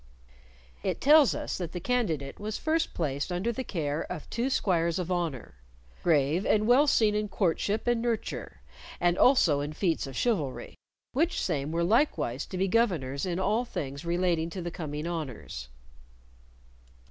It tells us that the candidate was first placed under the care of two squires of honor, "grave and well seen in courtship and nurture, and also in feats of chivalry," which same were likewise to be governors in all things relating to the coming honors.